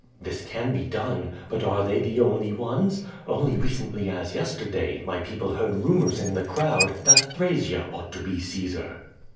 "This can be done. But are they the only ones? Only re cently as yesterday, my people heard murmurs in the crowd that Thrasea ought to be Caesar."